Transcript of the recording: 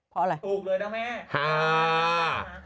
เพราะอะไร